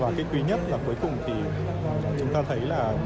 và cái quý nhất là cuối cùng thì chúng ta thấy là